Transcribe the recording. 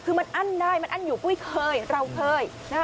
คือมันอั้นได้มันอั้นอยู่ปุ้ยเคยเราเคยนะฮะ